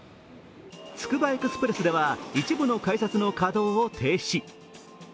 つくばエクスプレスでは、一部の改札の稼働を停止。